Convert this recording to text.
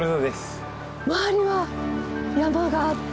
周りは山があって。